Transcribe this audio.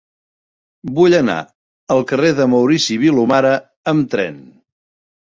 Vull anar al carrer de Maurici Vilomara amb tren.